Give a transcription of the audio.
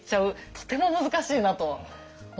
とても難しいなと思ってます